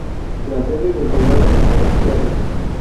La sede del condado es Perry.